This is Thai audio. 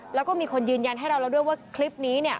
แล้วก็มีคนยืนยันให้เราแล้วด้วยว่าคลิปนี้เนี่ย